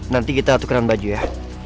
nanti kita tukeran baju ya